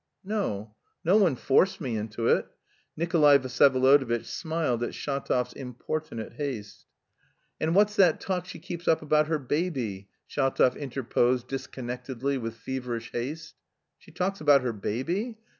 "No, no one forced me into it." Nikolay Vsyevolodovitch smiled at Shatov's importunate haste. "And what's that talk she keeps up about her baby?" Shatov interposed disconnectedly, with feverish haste. "She talks about her baby?